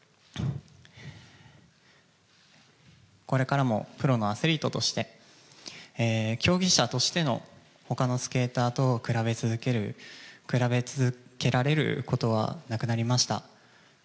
これからもプロのアスリートとして、競技者としてのほかのスケーターと比べ続ける、比べ続けられることはなくなりました。